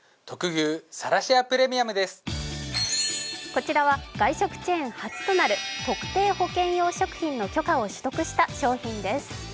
こちらは外食チェーン初となる特定保健用食品の許可を取得した商品です。